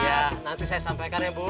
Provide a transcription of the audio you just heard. ya nanti saya sampaikan ya bu